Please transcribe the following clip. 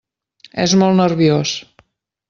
És molt nerviós.